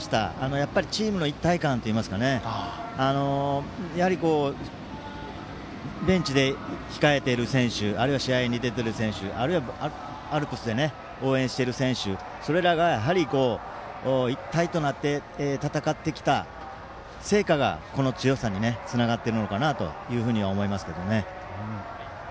やっぱりチームの一体感といいますかやはり、ベンチで控えている選手あるいは、試合に出ている選手あるいはアルプスで応援している選手それらが、やはり一体となって戦ってきた成果がこの強さにつながってるのかなというふうには思いますけどね。